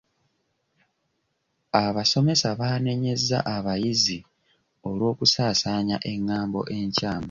Abasomesa baanenyezza abayizi olw'okusaasaanya engambo enkyamu.